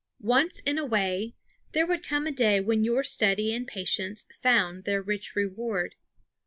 Once in a way there would come a day when your study and patience found their rich reward.